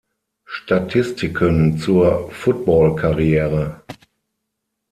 Statistiken zur Footballkarriere